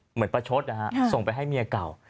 เหมือนประชดนะฮะส่งไปให้เมียเก่า